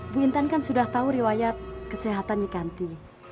bu wintan kan sudah tahu riwayat kesehatan nyikanti